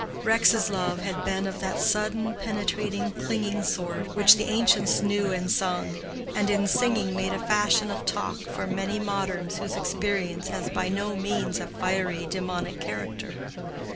Rex's love had been of that sudden, penetrating, clinging sort which the ancients knew and sung, and in singing made a fashion of talk for many moderns whose experience has by no means a fiery, demonic character.